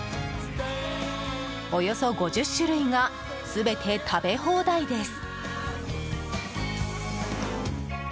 およそ５０種類が全て食べ放題です。